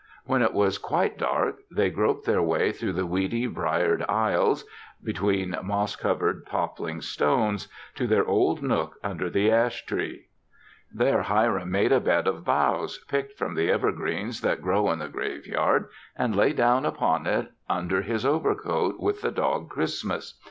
When it was quite dark, they groped their way through the weedy, briered aisles, between moss covered toppling stones, to their old nook under the ash tree. There Hiram made a bed of boughs, picked from the evergreens that grow in the graveyard, and lay down upon it under his overcoat with the dog Christmas.